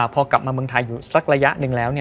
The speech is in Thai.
พอกลับมาเมืองไทยอยู่สักระยะหนึ่งแล้ว